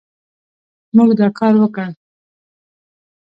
موږ دا کار وکړ